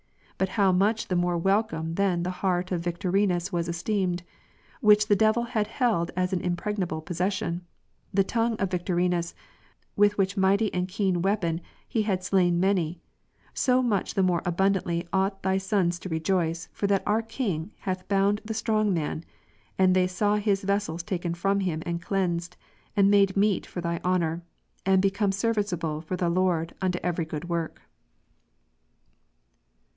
But how much the more welcome then the heart of Victorinus was esteemed, which the devil had held as an impregnable possession, the tongue of Victorinus, with which mighty and keen weapon he had slain many ; so much the more abundantly ought Thy sons to rejoice, for that our King hath bound the strong many and they saw his vessels taken from him and cleansed, and made meet for Thy honour, and become serviceable for the Lord, unto every good loork.